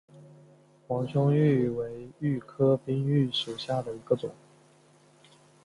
黄胸鹬为鹬科滨鹬属下的一个种。